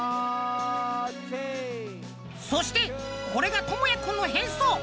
そしてこれがともやくんの変装。